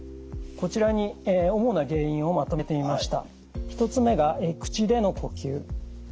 こちらに主な原因をまとめてみました。